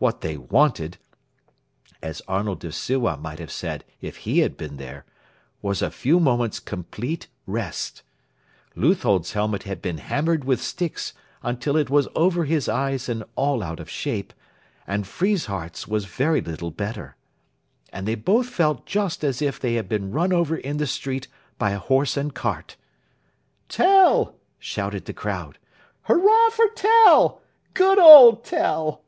What they wanted, as Arnold of Sewa might have said if he had been there, was a few moments' complete rest. Leuthold's helmet had been hammered with sticks until it was over his eyes and all out of shape, and Friesshardt's was very little better. And they both felt just as if they had been run over in the street by a horse and cart. "Tell!" shouted the crowd. "Hurrah for Tell! Good old Tell!"